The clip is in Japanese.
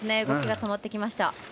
動きが止まってきました。